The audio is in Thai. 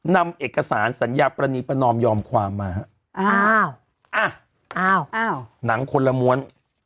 นำเอกสารสัญญาปรณีประนอมยอมความมาฮะอ้าวอ่ะอ้าวอ้าวหนังคนละม้วน